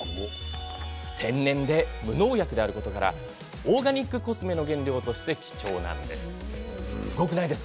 天然で無農薬であることからオーガニックコスメの原料として貴重なんです。